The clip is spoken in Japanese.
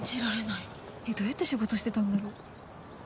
えっどうやって仕事してたんだろう。